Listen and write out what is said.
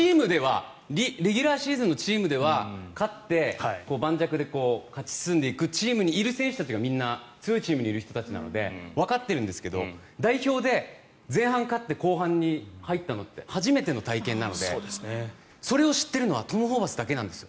レギュラーシーズンのチームでは勝って、盤石で勝ち進んでいくチームにいる選手がみんな強いチームにいる人たちなのでわかっているんですけど代表で前半勝って後半に入ったのって初めての体験なのでそれを知っているのはトム・ホーバスだけなんです。